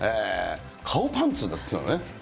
顔パンツっていうのもね。